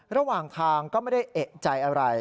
ระหว่างทางก็ไม่ได้เอกใจอะไร